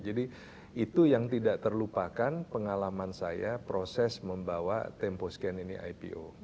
jadi itu yang tidak terlupakan pengalaman saya proses membawa temposcan ini ipo